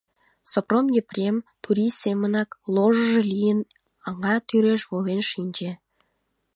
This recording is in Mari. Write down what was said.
Сопром Епрем, турий семынак, лож-ж лийын, аҥа тӱреш волен шинче...